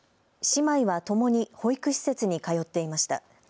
姉妹はともに保育施設に通っていました。